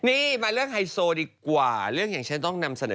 นี่มาเรื่องไฮโซดีกว่าเรื่องอย่างฉันต้องนำเสนอ